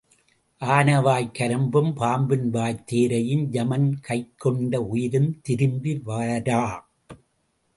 ஆனைவாய்க் கரும்பும் பாம்பின் வாய்த் தேரையும் யமன்கைக் கொண்ட உயிரும் திரும்பி வரா.